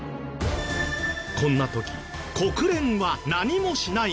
こんな時国連は何もしないのか？